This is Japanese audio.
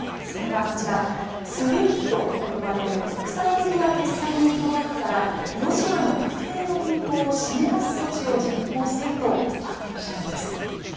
それがこちらＳＷＩＦＴと呼ばれる国際的な決済ネットワークからロシアの特定の銀行を締め出す措置を実行すると発表したんです。